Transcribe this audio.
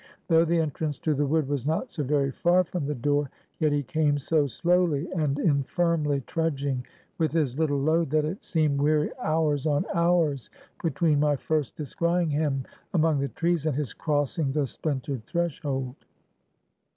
Though the entrance to the wood was not so very far from the door, yet he came so slowly and infirmly trudging with his little load, that it seemed weary hours on hours between my first descrying him among the trees, and his crossing the splintered threshold.